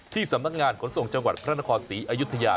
สำนักงานขนส่งจังหวัดพระนครศรีอยุธยา